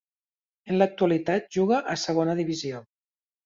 En l'actualitat juga a Segona Divisió.